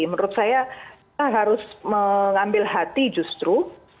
menurut saya kita harus mengambil hati justru